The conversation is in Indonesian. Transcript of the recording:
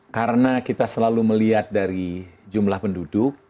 karena kita selalu melihat dari jumlah penduduk